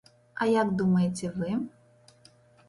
А як думаеце вы?